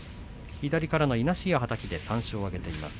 左からのいなしやはたきで３勝を挙げています。